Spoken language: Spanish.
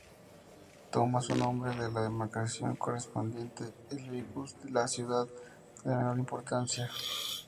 Toma su nombre de la demarcación correspondiente, el "vicus", la ciudad de menor importancia.